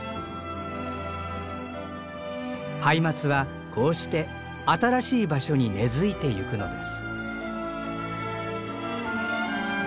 ハイマツはこうして新しい場所に根づいてゆくのです。